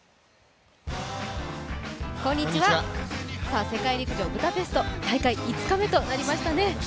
こんにちは、世界陸上ブダペスト、大会５日目となりましたね。